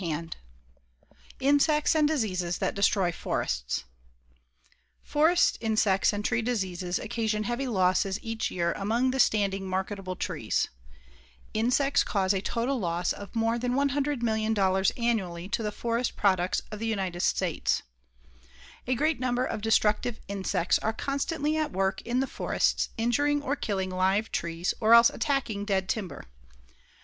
CHAPTER VII INSECTS AND DISEASES THAT DESTROY FORESTS Forest insects and tree diseases occasion heavy losses each year among the standing marketable trees. Insects cause a total loss of more than $100,000,000 annually to the forest products of the United States. A great number of destructive insects are constantly at work in the forests injuring or killing live trees or else attacking dead timber.